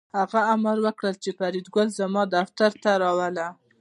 هغه امر وکړ چې فریدګل زما دفتر ته راوله